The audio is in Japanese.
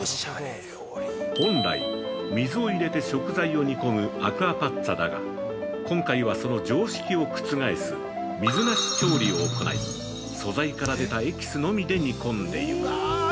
◆本来、水を入れて食材を煮込む「アクアパッツァ」だが今回は、その常識を覆す「水無し調理」を行い素材から出たエキスのみで煮込んでいく。